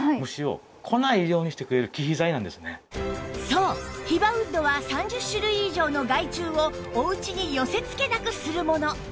そうヒバウッドは３０種類以上の害虫をお家に寄せ付けなくするもの